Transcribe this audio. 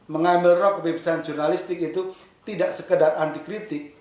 mengambil roh kebebasan jurnalistik itu tidak sekedar anti kritik